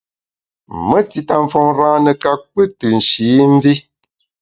Me tita mfôn râne ka pkù tù nshî mvi.